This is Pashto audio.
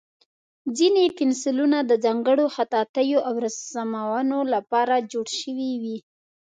ځینې پنسلونه د ځانګړو خطاطیو او رسمونو لپاره جوړ شوي وي.